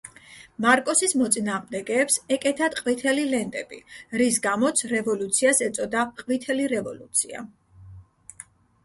მარკოსის მოწინააღმდეგეებს ეკეთათ ყვითელი ლენტები, რის გამოც რევოლუციას ეწოდა ყვითელი რევოლუცია.